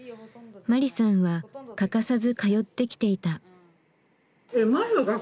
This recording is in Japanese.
マリさんは欠かさず通ってきていた。